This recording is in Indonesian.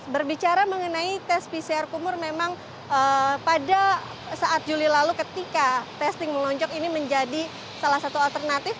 berbicara mengenai tes pcr kumur memang pada saat juli lalu ketika testing melonjak ini menjadi salah satu alternatif